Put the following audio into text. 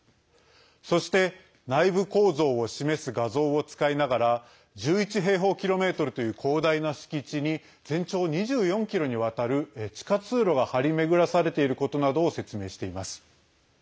そして、内部構造を示す画像を使いながら１１平方キロメートルという広大な敷地に全長２４ｋｍにわたる地下通路が張り巡らされていることなどを説明しています。